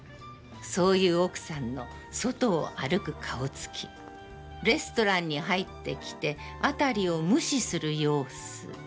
そういう奥さんの戸外を歩く顔つき、レストランに入って来て辺りを無視するようす。